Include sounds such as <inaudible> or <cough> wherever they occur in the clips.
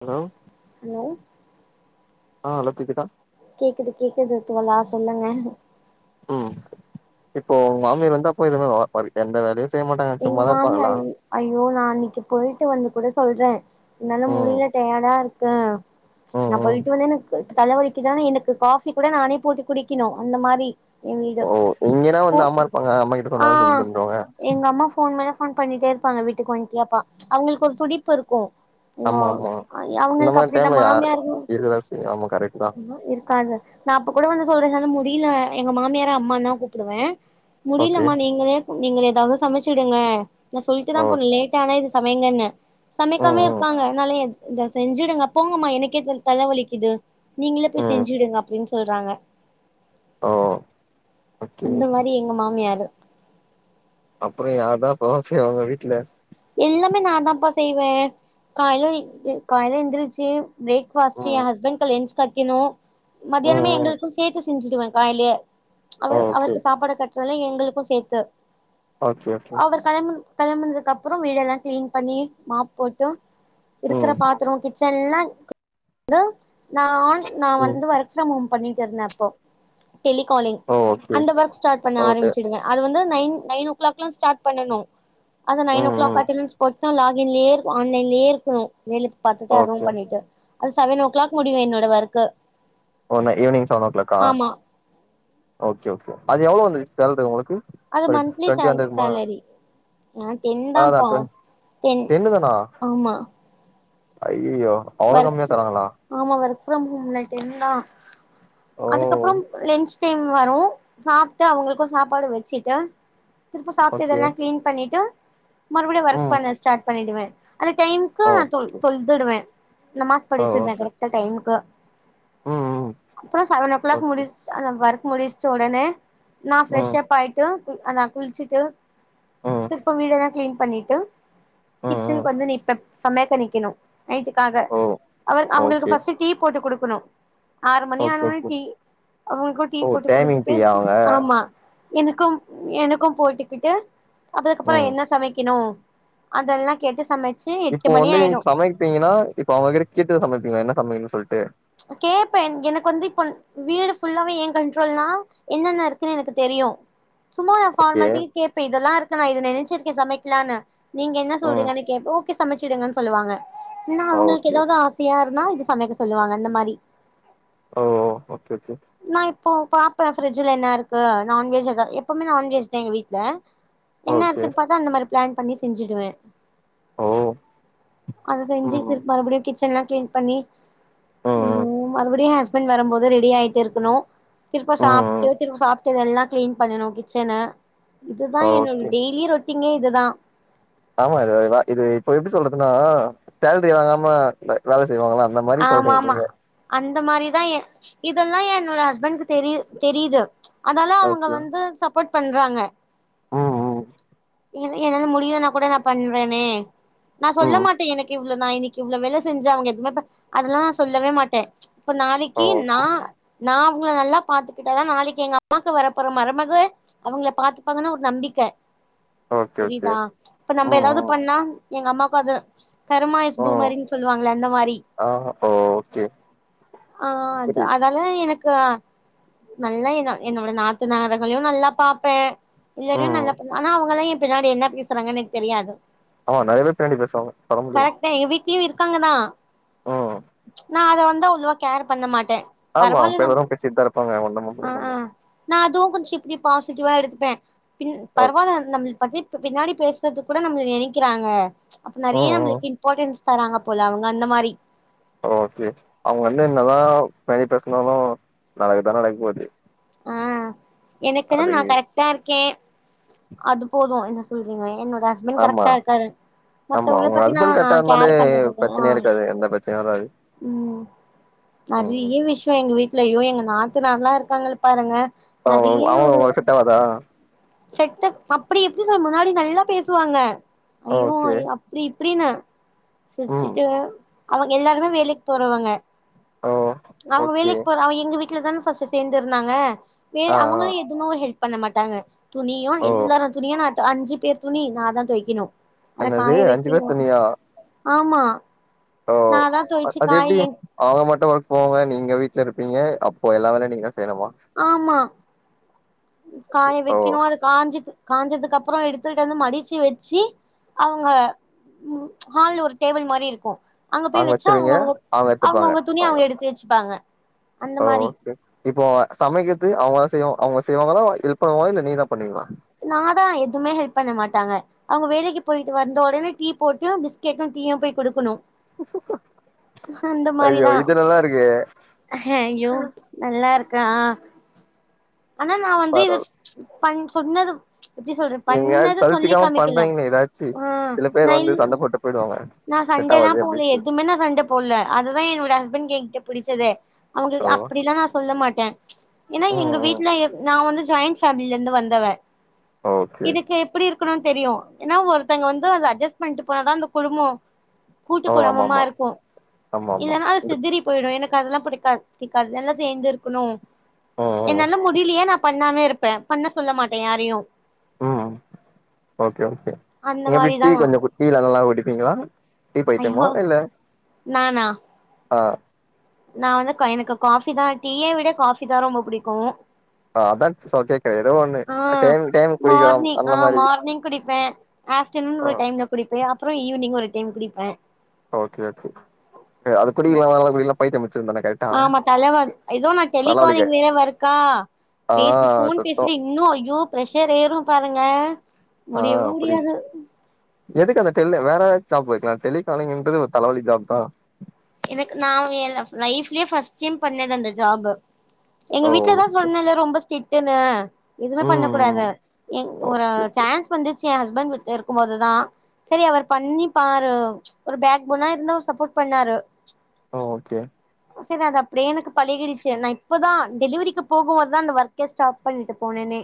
Hello hello ஆ hello கேக்குதா கேக்குது கேக்குது தோழா சொல்லுங்க ம் இப்போ உங்க மாமியார் வந்து அப்போ இதெல்லா எந்த வேலையும் செய்ய மாட்டாங்க சும்மாதா இருப்பாங்ளா அய்யோ நா அன்னைக்கு போயிட்டு வந்து கூட சொல்றன் என்னால ம் முடில டயர்டா இருக்கு ம் நா ம் போயிட்டு வந்து எனக் தலவலிக்கிதானு எனக்கு காஃபி கூட நானே போட்டு குடிக்கணு அந்த மாரி எங்கியோ ஓ இங்கன்னா வந்து போத் அம்மா இருப்பாங்க அம்மா கிட்ட ஆ சொன்னாலு செஞ்சு தந்துருவாங்க எங்க அம்மா ஃபோன் மேல ஃபோன் பண்ணிட்டே இருப்பாங்க வீட்டுக்கு வண்டியாப்பா அவுங்களுக்கு ஒரு துடிப்பு இருக்கு ஓ ஆமா ஆமா இந்த அவுங்களுக்கு மாரி அப்டி இல்ல டைம்ல யா மாமியார் இருக்கதா செய்யு ஆமா கரெக்ட் தா இருக்காது நா அப்ப கூட வந்து சொல்ற என்னால் முடில எங்க மாமியார அம்மான்தா கூப்டுவ ஓகே முடிலமா நீங்ளே நீங்கள் எதாவது சமச்சிடுங்க நா சொல்ட்டுதான் ஓ போனே லே டாங்க இது சமைங்கனு ம் சமக்காமயே ம் இருக்காங்க என்னாலயே இந்தா செஞ்சிடுங்க போங்கமா எனக்கே தல வலிக்குது நீங்ளே போய் ம் செஞ்சிடுங்க அப்டின் சொல்றாங்க ஓ ஓகே அந்த மாரி எங்க மாமியாரு அப்றோ யார்தா <unintelligible> அவுங்க வீட்ல எல்லாமே நான்தான்ப்பா செய்வேன் காலைல காலைல எந்திரிச்சு பிரேக்ஃபாஸ்ட் ம் என் ஹஸ்பண்ட்க்கு லன்ச் கத்திணு ம் மத்தியானமே ம் எங்களுக்கு சேத்து செஞ்சிடுவேன் காலைலயே அவ ஓ ஓகே அவருக்கு சாப்பாட க ற்னால எங்களுக்கு சேத்து ஓகே ஓகே கிளம் கிளம்புனதுக்கப்றோ வீடெல்லா கிளீன் பண்ணி மாப் போட்டு இருக்கற ம் பாத்ரோ கி ச்சன்ல கு ந்து நா நான் ம் வந்து ஒர்க் ஃப்ரம் ஹோம் பண்ணிட்டு இருந்த அப்போ டெலிகாலிங் ஓ ஓகே அந்த ஒர்க் ஸ்டார்ட் பண்ண ஓகே ஆரம்பிச்சிடுவ அது வந்து நைன் நைன் ஓ கிளாக்ல்லா ஸ்டார்ட் பண்ணனு அது நைன் ஓ ம் ம் ஸ்போட்தா லாகின்ல்லயே இரு ஆன்லைன்லயே இருக்கணு வேல பாத்துட்டு அதுவு ஓகே பண்ணிட்டு அது செவன் ஓ கிளாக் முடியு என்னோட ஒர்க் <unintelligible> ஈவினிங் செவன் ஓ கிளாக்கா ஓகே ஓகே அது எவ்ளோ வந்துச்சி சேல்ரி உங்களுக்கு அது ஒரு மந்த்லி டுவெண்ட்டி சேல் வந்திருக்குமா சேலரி நா டென்தா அதா அதா பா டுவென் டென் ஆமா அய்யய்யோ ஒர்க் ஃப்ரம் ஆமா ஒர்க் ஃப்ரம் ஹோம்ல டென்தா ஓ அதுக்கப்புறம் லென்ச் டைம் வரு சாப்ட்டு அவங்களுக்கு சாப்பாடு வச்சுட்டே திருப்ப சாப்ட்டு ஓகே இதெல்லா கிளீன் பண்ணிட்டு மறுபடியு ஒர்க் ம் பண்ண ஸ்டார்ட் பண்ணிடுவே அந்த டைம்க் ஓ <unintelligible> நா தொல் ஓகே தொல்துடுவே நமாஸ் ஓ படிச்சிருவே ஓகே கரெக்ட்டா டைமுக்கு ம் ம் அப்றோ செவன் ஓ கிளாக் ஓகே முடிச் அந்த ஒர்க் முடிச்சுட் உடனே நா ஃப்ரெஷ் ம் ஆய்ட்டு ம் அ நா குளிச்சுட்டு ம் திருப்பம் வீடெல்லா கிளீன் பண்ணிட்டு ம் ம் கிச்சனுக்கு வந்து நிப்பப் சமையக்க நிக்கணு நைட்டுக்காக ம் அவர் அவங்களுக்கு ஃபர்ஸ்ட்டு டீ போட்டு குடுக்கணு ஆறு மணி ஓகே ஆனோனே ஓகே டீ அவங்கக்கு டீ ஓ போட்டு டைமிங் குடுத்துட்டு டீயா அவங்க ஆமா எனக்கும் எனக்கும் போட்டுக்கிட்டு அதுக்கப்புறோ ம் என்ன சமைக்கணு அதெல்லா கேட்டு சமச் இப்போ வந்து சமைப்பீங்கன்னா இப்ப அவங்ககிட்ட கேட்டுதா சமைப்பீங்ளா என்ன சமையல்னு சொல்ட்டு ம்ச் கேப்பே என் எனக்கு வந்து இப்பன் வீடு ஃபுல்லாவே ஏன் கண்ட்ரோல்னா என்னென்ன இருக்குன்னு எனக்கு தெரியு சும்மாதா ஓகே ஃபார்மாலிட்டி கேப்ப இதெல்லா இருக்கு நா இது நெனைச்சிருக்கே சமைக்கலான்னு நீங்க என்ன ம் சொல்றீங்கன்னு கேப்போ ஓகே சமைச்சிடுங்கன் சொல்லுவாங்க இன்னா அவங்களுக்கு ஓகே ஏதாவது ஆசையா இருந்தா இது சமைக்க சொல்லுவாங்க அந்த மாரி ஓ ஓகே ஓகே நா இப்போ பாப்பே ஃபிரிட்ஜில என்ன இருக்கு நான்வெஜ் எதா எப்பவுமே நான்வெஜ் தா எங்க வீட்ல என்ன ஓகே இருக்குன்னு பாத்தா அந்த மாரி பிளான் பண்ணி செஞ்சிடுவே ஓ அத செஞ்சு ம் ம் திர் மறுபடியு கிச்சன்லா கிளீன் பண்ணி ம் ஐயோ மறுபடியு ஹஸ்பண்ட் வரும்போது ரெடி ஆயிட்டு இருக்கணு திருப்ப சாப்ட்டு ம் திருப்ப சாப்ட்டு இதெல்லா கிளீன் பண்ணணு கிச்சன்ன இதுதா என்னோட ஓகே டெய்லி ரொட்டீங்கே இதுதா ஆமா இது <unintelligible> இது இப்போ எப்டி சொல்றதுன்னா சேலரி வாங்காம வ வேல செய்வாங்களா அந் ஆமா ஆமா அந்த மாரிதா எ இதெல்லா என்னோட ஹஸ்பண்டுக்கு தெரியு தெரியிது ம்ச் அதால அவங்க ஓகே. வந்து சப்போர்ட் பண்றாங்க ம்ம் எனா என்னால முடியிலன்னா கூட நா பண்றேனே நா சொல்ல ம். மாட்டே எனக்கு இவ்ளோ நா இன்னைக் இவ்ளோ வேல செஞ்சா அவங்க எதுவுமேப அதெல்லா சொல்லவே மாட்டே மச் இப்ப நாளைக்கு நா ஓகே நாவ் உங்கள நல்லா பாத்துக்கிட்டா தா நாளைக்கு எங்க அம்மாவுக்கு வர போற மருமக ம்ச் அவங்கள பாத்துப்பாங்கன்னு ஒரு நம்பிக்க ஓகே ஓகே. புரியுதா ம்ச் இப்ப நம்ப ம் ஏதாவது ம் பண்ணா எங்க அம்மாக்கு அது கருமா இஸ் பூமரிங் சொல்லுவாங்களா அந்த மாரி ஆஹ ஓகே ஆ அத் புரியுது. அதால எனக்கு நல்லா என்ன என்னோட நாத்தனார்களையு நல்லா பாப்பே எல்லாரையு ம். நல்லா பண்ணா ஆனா அவங்கல்லா என் பின்னாடி என்ன பேசுறாங்கன்னு எனக்கு தெரியாது ஆமா நெறைய பேர் பின்னாடி பேசுவாங்க வர முடியும் கரெக்ட் தா என் வீட்லயும் இருக்காங்கதான் ஓ நான் அத வந்து அவ்வளோவா கேர் பண்ண மாட்டேன் ஆமா அப்ப எல்லாரும் பேசிட்டுதான் இருப்பாங்க ஒன்னமும் ஆ பேசு ஆ நம்ப நா அதுவும் கொஞ் சிப் இப் பாசிட்டிவா எடுத்துப்பேன் பின் ஓக் பரவால்ல நம்மள் பத்தி இப்ப பின்னாடி பேசுறது கூட நம்ம நினைக்கிறாங்க அப்ப நறையா ம் ம். நம்மளுக்கு இம்பார்ட்டன்ஸ் தராங்க போல அவுங்க அந்த மாரி ஓ ஃபிளிம் அவுங்க வந்து இருந்தாதான் தனி பேசனாலும் நடக்குதான் நடக்க போகுது ஆ எனக்கு தான் நான் கரெக்ட் டா இருக்கேன் அது போதும் என்ன சொல்றீங்க என்னோட ஹஸ்பண்ட் ஆமா கரெக்டா இருக்காரு ஆமா. மத்தவங்க உங்க ஹஸ்பண்ட் பத்தினாஹ கரெக்ட்டா இருந்தாலே கேரி பண்றது இருகுங்கல பிரச்சனையே இருக்காது. எந்த பிரச்சனையும் வராது. ம் ம். நறையா விஷயம் எங்க வீட்ல ஐயோ எங்க நாத்தனார்லா இருக்காங்கள ங்க பாருங்க ஓ நறையா அவங்க ஒரு உங்களுக்கு செட் ஆவாதா செக்கப் அப்டி எப்டி நம்ப முன்னாடி நல்லா பேசுவாங்க ஐயோ ஓகே ஐயோ அப் நீ இப்டின்னா ம் சுச்சிட்டு அ அவங்க எல்லாருமே வேலைக்கு போறவங்க ஓ அவுங்க ஓகே வேலைக்கு போற அவங்க எங்க வீட்டுலதானே ஃபஸ்ட் சேர்ந்து இருந்தாங்க வே ஆ ஆ அவங்களாம் எ எதுனா ஒரு ஹெல்ப் பண்ண மாட்டாங்க துணியு ஓ எல்லாரோட துணியு நான் அஞ்சு பேர் துணி நா தான் தொய்க்கணு அத என்னது காய அஞ்சு பேர் வைக்கணு தனியா ஆமா ஓ நா தா தொவச்சு அது எப்டி காய அவுங்க மட்டு ஒர்க் போவாங்க நீங்க வீட்ல இருப்பீங்க அப்ப எல்லா வேலயு நீங்கதா செய்ணுமா ஆமா காய ஓ வைக்கணு அத காஞ்சிட்டு காஞ்சதுக்கு அப்பறோ எடுத்துட்டு வந்து மடிச்சி வச்சி அவுங்க உ ஹால்ல ஒரு டேபிள் மாரி இருக்கும் அங்க போய் அவங்க வச்சா அவுங்க வச்சிருவீங்க அவுங்க அவங்க எத்துப்பாங்க அவுங்கவுங்க துணி அவங்க அவுங்க எடுத்து வச்சுப்பாங்க அந்த ஓ மாரி ஓகே இப்போ சமைக்கிறது அவுங்க செய்வ அவங்க செய்வாங்களா இருப்பாங்களா இல்ல நீ தான் பண்ணுவிங்களா நாதா எதுமே ஹெல்ப் பண்ண மாட்டாங்க அவுங்க வேலைக்கு போய்ட்டு வந்த உடனே டீ போட்டு பிஸ்கெட்டு டீயு போய் குடுக்கணு அந்த ஐயோ மாரிதா இது நல்லா இருக்கே ஹையோ நல்லா இருக்கா ஆ ஆனா நான் வந்து இது பரவால பண் சொன்னது எப்டி சொல்றேன் நீங்க பண்ணத சொல்லி சலிச்சிக்காம காமிக்கல பண்றீங்களே ஆ நா ல் போய்டுவாங்க நா சண்டல்லா போல்லயே எதுமே நா சண்ட போல்ல அதுதா என்னோட ஹஸ்பண்ட் என்கிட்ட புடிச்சதே அவ்ங்க ஓ அப்டிலா நா சொல்ல மாட்ட ஏன்னா எங்க ம் ம் வீட்ல எப் ந நா வந்து ஜாயிண்ட் ஃபேமிலியிலிருந்து வந்தவ ஓகே இதுக்கு எப்டி இருக்கணுன்னு தெரியு ஏன்னா ஒருத்தங்க வந்து அத அட்ஜஸ்ட் பண்ணிட்டு போனாதா அந்த குடும்போ ஓ ஆமா கூட்டுக்குடும்பமா ஆமா இருக்கு ஆமா ஆமா இல்லன்னாஸ் இது சிதிறி போய்டு எனக்கு அதெல்லா புடிக்காது புடிக்காது எல்லா சேர்ந்து இருக்கணு ம் என்னால முடிலையா நா பண்ணாம இருப்ப பண்ண சொல்ல மாட்ட யாரையு ம் ஓகே ஓகே அந்த எப்டி மாரிதா டீ நா கொஞ்சோ கு டீ நல்லா குடிப்பீங்களா டீ பைத்தியமா ஐயோ இல்ல நானா ஆ நா வந்து எனக்கு காபிதா டீய விட காபிதா ரொம்ப புடிக்கு ஆ அதா சோ கேக்குறே ஏதோ ஒண்ணு ஆ டைம் டைம் குடிக்கலாம் மார்னிங் அந்த ஆ மாரி மார்னிங் குடிப்பே ஆப்டர்நூன் ஆ ஒரு டைம்ல குடிப்பே அப்பறோ ஈவினிங் ஒரு டைம் குடிப்பே ஓகே ஓகே அ அது குடிக்கலனா குடிக்கலனா பைத்தியம் புடிச்சுரு தானே கயல் ஆமா தலவல் எதோ நா டெலிகாலிங் வேற வொர்க்கா ஆ பேசி ஃபோன் சுத்தோ பேசிட்டு இன்னு ஐயோ பிரஷர் ஏறு பாருங்க ஆ முடியவு புரியுது முடியாது எதுக்கு அந்த டெலி வேற ஜாப் போய்ர்க்ளா டெலிகாலிங்ன்றது ஒரு தலவலி ஜாப்தா எனக்கு நா ஏன் லைஃப்லியே ஃபர்ஸ்ட் டைம் பண்ணது அந்த ஜாபு எங்க ஓ வீட்லதா சொன்னல்ல ரொம்ப ஸ்ட்ரிட்டுன்னு இதுவுமே பண்ண ம் ம் கூடாது எங் ஒரு ஓகே ஓகே சான்ஸ் வந்துச்சு என் ஹஸ்பண்ட் இருக்கும்போதுதா சரி அவர் பண்ணி பாரு ஒரு பேக் போனா இருந்து அவர் சப்போட் பண்ணாரு ஓகே சரி அது அப்டியே எனக்கு பழகிடுச்சி நா இப்பதா டெலிவரிக்குப் போகுபோதுதா அந்த ஒர்க்கே ஸ்டாப் பண்ணிட்டு போனேனே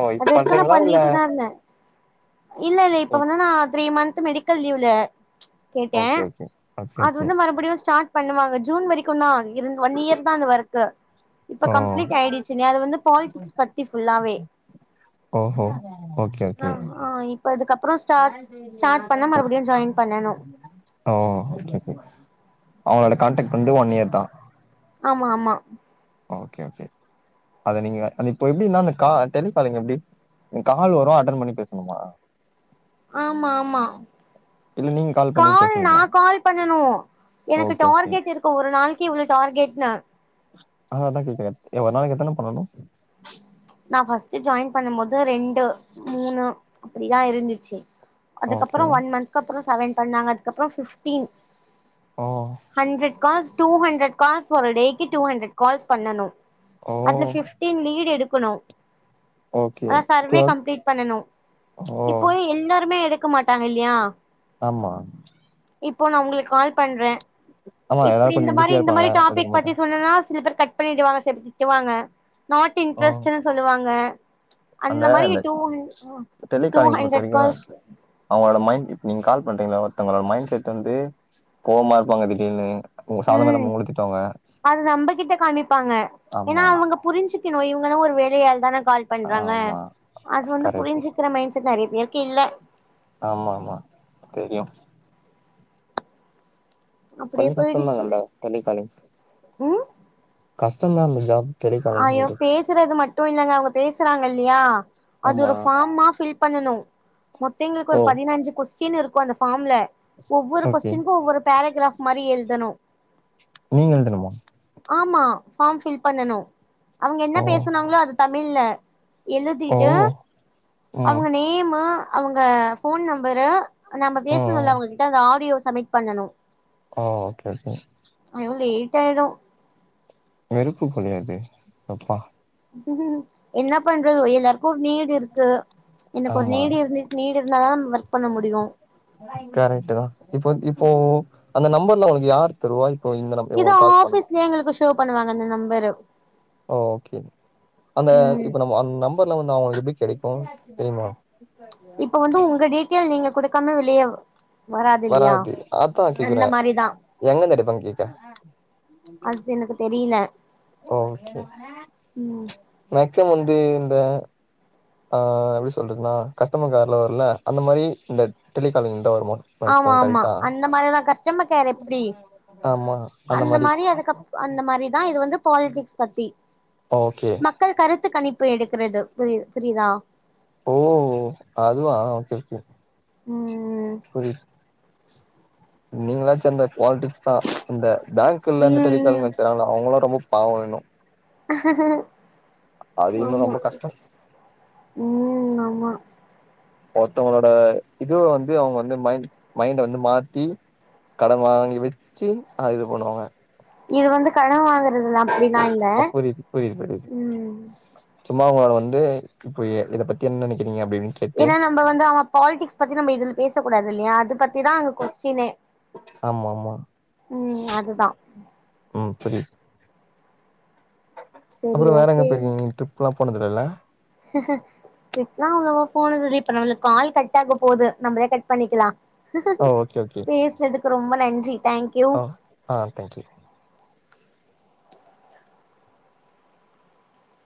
ஓ அது இப்ப இருக்கு நா பண்றீங்களா பண்ணிட்டுதா இல்ல இருந்த இல்ல இல்ல இப்ப வந்து நா த்ரீ மந்த் மெடிக்கல் லீவ்ல ஓகே ஓகே ஓகே இது ஓகே வந்து மறுபடியு ஸ்டார்ட் பண்ணுவாங்க ஜூன் வரைக்குந்தா இரு ஒன் இயர்தா இந்த ஒர்கு இப்ப ஓ கம்ப்ளீட் ஆயிடுச்சுன்ன அது வந்து பாலிடிக்ஸ் பத்தி ஃபுல்லாவே ஓஹோ ஓகே ஓகே ப்ப இதுக்கப்புறொ ஸ்டார்ட் ஸ்டார்ட் பண்ணா மறுபடியு ஜாயின் பண்ணணு ஓ ஓகே ஓகே அவுங்களோட கான்டக்ட் வந்து ஒன் இயர்தா ஆமா ஆமா ஓகே ஓகே அத நீங்க அ இப்ப எப்டினா அந்த கா டெலிகாலிங் எப்டி கால் வரு அட்டன் பண்ணி பேசணுமா ஆமா ஆமா இல்ல நீங்க பண்ணி கால் நா பேசுவீங்களா கால் பண்ணனு எனக்கு ஓகே ஓகே டார்கெட் இருக்கூ ஒரு நாளைக்கி இவ்ளோ டார்கெட்னு அ அதான் கேட்கிறேன் ஒரு நாளைக்கி எத்தன பண்ணனு நா ஃபஸ்ட்டு ஜாயின் பண்ணும் போது ரெண்டு மூணு அப்டிதா இருந்துச்சு ஓகே அதுக்கப்புறோ ஒன் மந்த்கு அப்புறோ செவன் பண்ணாங்க அதுக்கப்புறோ ஃபிப்டீன் ஓ hundred calls two hundred calls ஒரு டேக்கு டூ ஹண்ட்ரட் கால்ஸ் பண்ணணு ஓ அதுல ஃபி டீன் லீடு எடுக்குணு ஓகே ஆனா டூ சர்வே கம்ப்ளீட் பண்ணனு ஓ இப்போ எல்லாருமே எடுத் க்க மாட்டாங்க இல்லியா ஆமா இப்போ நா உங்களுக்கு கால் பண்றே ஆமா இப்டி எல்லாரும் இந்த கொஞ்சம் மாரி பிஸியா இந்த இருப்பாங்க மாரி எடுக்க டாபிக் பத்தி மாட்டாங்க சொன்னேன்னா சிலர்பேர் கட் பண்ணிடுவாங்க சி திட்டுவாங்க நாட் ஓ இன்ட்ரஸ்ட்டுன்னு சொல்லுவாங் ங்க அந்த மாரி டூ ஹண் ஓ டூ ஹண்ரட் கால்ஸ் அவுங்ளோட மைண்ட் இப் நீங் கால் பண்றீங்ல ஒருத்தவ்ங்ளோட மைண்ட் செட் வந்து கோவ்மா இருப்பாங்க திடீர்னு உங்க சாதனம் ம் இல்லாம உங்கள திட்டுவாங்க அது நம்பகிட்ட காமிப்பாங்க ஏன்னா ஆமா அவுங்க புரிஞ்சிக்கணு இவுங்களு ஒரு வேலையாள்தான கால் பண்றாங்க ஆமா அது வந்து கரெக்ட் புரிஞ்சிக்கிற மைண்ட் செட் நிறைய பேருக்கு இல்ல ஆமா ஆமா தெரியு அப்டியே கொஞ்சோ போயிடுச்சு கஷ்டந்தாண்டா <unintelligible> ம் கஷ்டந்தா அந்த ஜாப் அயோ டெலிகாலிங்ன்றது பேசுறது மட்டு இல்லங்க அவுங்க பேசுறாங்க இல்லயா அது ஆமா ஒரு ஃபார்மா ஃபில் பண்ணணு மொத்த எங்களுக்கு ஓ ஒரு பதினஞ்சு கொஸ்டின் இருக்கு அந்த ஃபார்ம்ல ஒவ்வொரு ஓகே கொஸ்டின்க்கு ஒவ்வொரு பேரகிராஃப் மாறி எழ்தனு நீங்க எழ்தணுமா ஆமா ஃபார்ம் ஃபில் பண்ணனு அவுங்க என்ன ஓ பேசுனாங்களோ அது தமிழ்ல ஓ எழுதீட்டு ம் அவுங்க நேமு அவுங்க ஃபோன் நம்பரு நம்ம பேசுனோல்ல ம் அவுங்ககிட்ட அந்த ஆடியோ சப்மிட் பண்ணணு ஓ ஓகே ஓகே ஐயோ லேட்டாய்டு வெறுப்பு போலயே அது அப்பா என்னப் பண்றது எல்லார் கோர் நீடு இருக்கு எனக் ஒரு ஆமா நீடு இருந்து நீடுருந்தாதா நம்ப ஒர்க் பண்ண முடியு கரெக்ட்டு தா இப்போ இப்போ அந்த நம்பர்ல ஒனக் யார் தருவா இப்போ இந்த நம் இவ்ங்குளுக் கால் பண்ணணு சேவ் பண்ணுவாங்க அந்த நம்பரு ஓ ஓக்கே அந்த ம் இப்ப நம்மோ அந் நம்பர்ல வந்து அவுங்ளுக்கு எப்டி கெடக்கு தெரியுமா இப்ப வந்து உங்க டீட்யெல் நீங்க குடுக்காம வெளியவ் வராது அத்தா கேக்குற மாரிதா எங்கர்ந்து எடுப்பாங்க கேக்கறே அத்சு எனக்கு தெரியில ஓகே ம் மேக்சிமம் வந்து இந்த ஆ எப்டி சொல்றதுன்னா கஸ்டமர் கேர்ல வர்ல அந்த மாரி இந்த டெலிகாலிங் தா வருமா ஆமா மேக்சிமம் ஆமா கரெக்டா அந்த மாறியேதா கஷ்டமர்க்கேர் எப்டி ம்ச் அந்த மாரி அதுக்கப் அந்த மாரிதா இது வந்து பாலிடிக்ஸ் பத்தி ஓகே ம்ச் மத் க்கள் கருத்துக் கணிப்பு எடுக்குறது புரித் புரிதா ம் ம் அதுவா ஓக்கே ஓக்கே ம் புரிது நீங்களாச்சு அந்த பால்ட்டிக்ஸ் தா இந்த பேங்க்ல்ல அந்த டெலிக்காலிங் ம் ம் வேல செய்றாங்ல அவுங்களா ரொம்ப பாவோ இன்னு அது இன்னு ஆமா ரொம்ப கஷ்டோ ம் ஆமா ஒர்த்தவ்ங்ளோட இது வந்து அவுங்க வந்து மைண்ட் மைண்ட வந்து மாத்தி கடன் வாங்கி வச்சி அது இது பண்ணுவாங்க இது வந்து கடன் வாங்கறதுல அப்டிலா இல்ல புரியுது புரியுது புரியுது ம் சும்மா அவுங்கள வந்து இப்ப இத பத்தி என்ன நினைக்கிறீங்க அப்டி இப்டின் கேட்டு நம்ப வந்து அவ பால்டிக்ஸ் பத்தி நம்ப இதுல பேசக்கூடாது இல்லையா அது பத்திதா அங்க கொஸ்டினே ஆமா ஆமா ம் அதுதான் ம் புரியுது சரி அப்புறொ வேற எங்க ஓகே போயிருக்கிங்க ட்ரிப்ல்லா போனதில்லல ட்ரிப்லா அவ்ளவா போனது இல்ல இப்ப நம்மளுக்கு கால் கட் ஆக போது நம்பளே கட் பண்ணிக்கிலா ஓ ஓகே ஓகே பேஸ்னதுக்கு ரொம்ப நன்றி தாங்க் யூ ஆ ஆ தாங்க் யூ